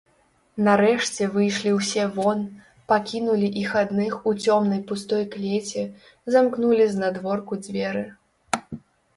Нарэшце выйшлі ўсе вон, пакінулі іх адных у цёмнай пустой клеці, замкнулі знадворку дзверы.